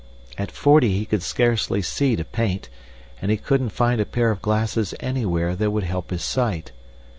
At forty he could scarcely see to paint, and he couldn't find a pair of glasses anywhere that would help his sight.